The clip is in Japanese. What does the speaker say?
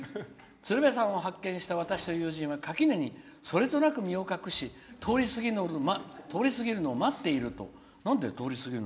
鶴瓶さんを発見した私は垣根にそれとなく身を隠し通り過ぎるのを待っていると」。